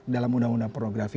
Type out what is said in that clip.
dalam undang undang pornografi